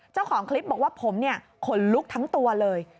เจ้าของคลิปบอกว่าผมขนลุกทั้งตัวเลย